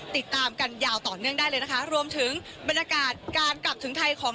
ติดตามกันยาวต่อเนื่องได้เลยนะคะรวมถึงบรรยากาศการกลับถึงไทยของ